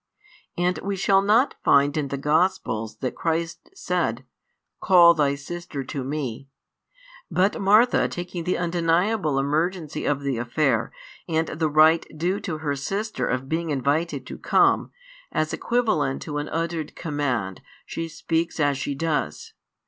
And we shall not find in the Gospels that Christ said: "Call thy sister to Me;" but Martha taking the undeniable emergency of the affair and the right due to her sister of being invited to come, as equivalent to an uttered command, she speaks as she does.